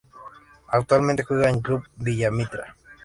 Actualmente juega en Club Villa Mitre